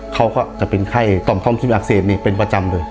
เขาก็จะเป็นไข้ต่อมค่อมที่อักเสบนี่เป็นประจำเลย